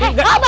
eh gak apa apa